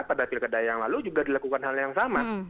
pada pilkada yang lalu juga dilakukan hal yang sama